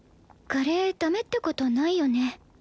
カレーダメってことないよね？